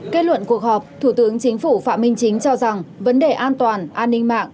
kết luận cuộc họp thủ tướng chính phủ phạm minh chính cho rằng vấn đề an toàn an ninh mạng